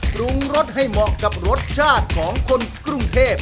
ปรุงรสให้เหมาะกับรสชาติของคนกรุงเทพ